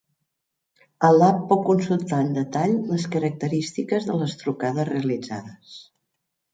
A l'App pot consultar en detall les característiques de les trucades realitzades.